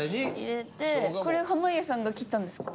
これ濱家さんが切ったんですか？